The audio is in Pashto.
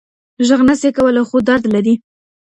ږغ نشي کولی خو درد لري.